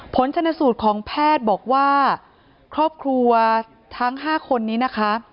ผลชนสูตรของแพทย์บอกว่าครอบครัวทั้ง๕คนนี้นะคะ